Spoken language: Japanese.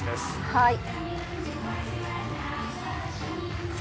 はい。